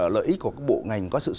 lợi ích của bộ ngành có sự